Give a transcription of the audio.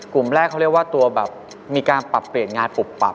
กลุ่มแรกเขาเรียกว่าตัวแบบมีการปรับเปลี่ยนงานปุบปรับ